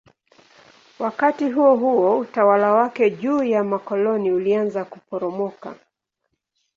Wakati huohuo utawala wake juu ya makoloni ulianza kuporomoka.